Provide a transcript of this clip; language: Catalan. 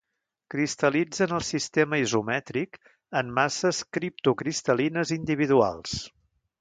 Cristal·litza en el sistema isomètric en masses criptocristal·lines individuals.